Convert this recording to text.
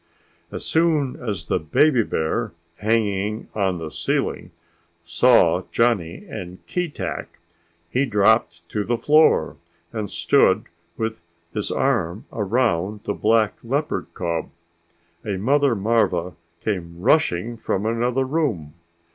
As soon as the baby bear hanging on the ceiling saw Johnny and Keetack he dropped to the floor and stood with his arm around the black leopard cub. A mother marva came rushing from another room.